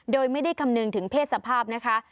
โดยไม่ได้คำนึงถึงเพศสภาพนะคะ